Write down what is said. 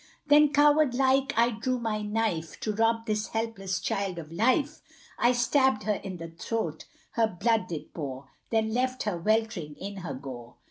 Then coward like I drew my knife, To rob this helpless child of life: I stabbed her in the throat her blood did pour, Then left her welt'ring in her gore.